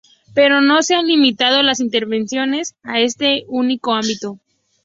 Pero no se han limitado las intervenciones a este único ámbito.